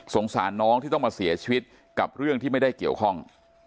สารน้องที่ต้องมาเสียชีวิตกับเรื่องที่ไม่ได้เกี่ยวข้อง